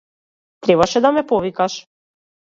Требаше да ме повикаш.